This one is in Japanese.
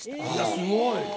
すごい。